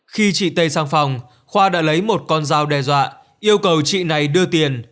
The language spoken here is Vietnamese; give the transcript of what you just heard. khi chị tây sang phòng khoa đã lấy một con dao đe dọa yêu cầu chị này đưa tiền